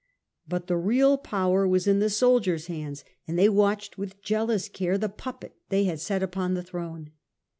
But the real power was in the soldiers' hands, and they watched with jealous care the puppet they had set upon the throne.